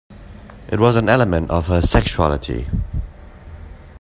It was an element of her sexuality.